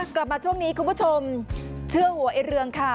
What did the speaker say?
กลับมาช่วงนี้คุณผู้ชมเชื่อหัวไอ้เรืองค่ะ